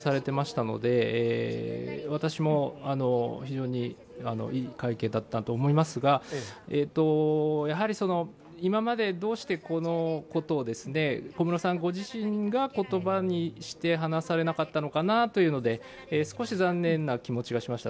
しっかりとした口調で落ち着いて受け答えもされていましたので私も、非常にいい会見だったと思いますが今までどうしてこのことを小室さんご自身が言葉にして話されなかったのかなというので、少し残念な気持ちがしました。